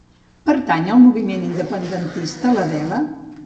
Pertany al moviment independentista l'Adela?